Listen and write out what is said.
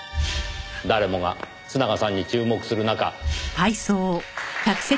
誰もが須永さんに注目する中。